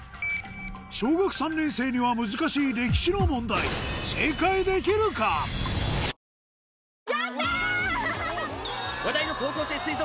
小学３年生には難しい歴史の問題問題です！